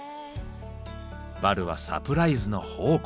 バルはサプライズの宝庫。